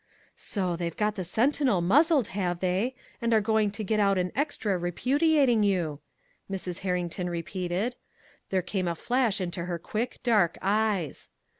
"So they've got the Sentinel muzzled, have they and are going to get out an extra repudiating you," Mrs. Herrington repeated. There came a flash into her quick, dark eyes.